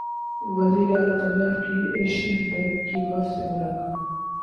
وزیراعلی پنجاب کی Asian bank کے وفد سے ملاقات